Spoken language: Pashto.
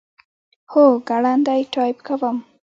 هو، ګړندی ټایپ کوم